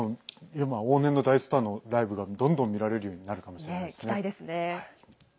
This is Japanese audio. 往年の大スターのライブがどんどん見られるようになるかもしれないですね。